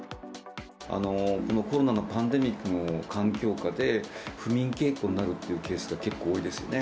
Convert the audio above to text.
コロナのパンデミックの環境下で、不眠傾向になるというケースが結構多いですよね。